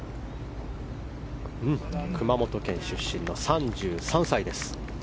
熊本県出身の３３歳です。